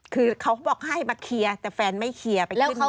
คือเขาบอกให้มาเคลียร์แต่แฟนไม่เคลียร์ไปขึ้นรถ